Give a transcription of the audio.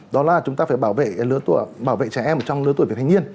đó là chúng ta phải bảo vệ trẻ em trong lứa tuổi về thanh niên